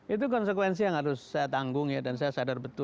itu konsekuensi yang harus saya tanggung dan saya sadar betul